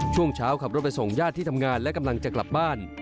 ช่วงเช้าขับรถไปส่งญาติที่ทำงานและกำลังจะกลับบ้าน